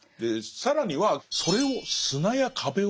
更にはそれを「砂」や「壁」をという。